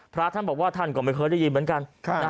พระท่านบอกว่าท่านก็ไม่เคยได้ยินเหมือนกัน